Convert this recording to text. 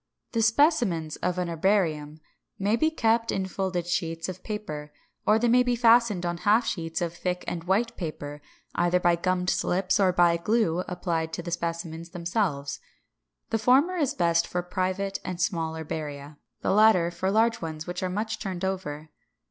The specimens of an herbarium may be kept in folded sheets of paper; or they may be fastened on half sheets of thick and white paper, either by gummed slips, or by glue applied to the specimens themselves. The former is best for private and small herbaria; the latter for large ones which are much turned over.